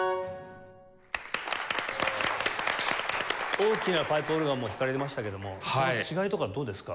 大きなパイプオルガンも弾かれてましたけどもその違いとかどうですか？